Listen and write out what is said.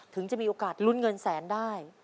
ถึงจะมีโอกาสลุ้นเงินแสนได้